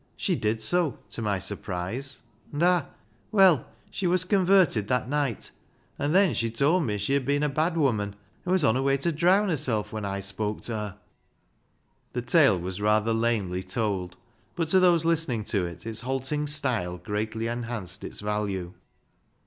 She did so, to my surprise, and, ah — well, she was converted that night, and then she told me she had been a bad woman, and was on her way to drown herself when I spoke to her." 26 BECKSIDE LIGHTS The tale was rather lamely told, but to those listening to it, its halting style greatly enhanced its value.